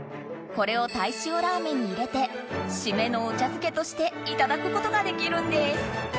これを鯛塩ラーメンに入れてシメのお茶漬けとしていただくことができるんです